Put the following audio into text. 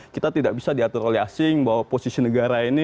kita tidak bisa diatur oleh asing bahwa posisi negara ini